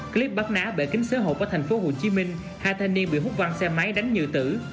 clip bắt ná bể kính xế hộp ở thành phố hồ chí minh hai thanh niên bị hút văn xe máy đánh nhự tử